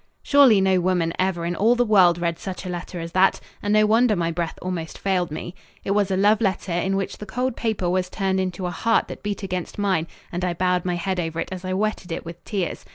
Surely no woman ever in all the world read such a letter as that, and no wonder my breath almost failed me. It was a love letter in which the cold paper was turned into a heart that beat against mine, and I bowed my head over it as I wetted it with tears.